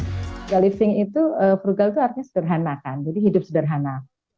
tiga living itu frugal itu artinya sederhana kan jadi hidup sederhana